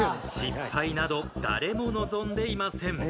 失敗など誰も望んでいません。